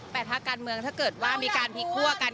แต่ภาคการเมืองถ้าเกิดว่ามีการพลิกคั่วกัน